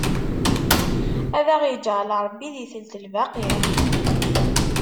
Ad aɣ-iǧɛel Ṛebbi di telt lbaqi!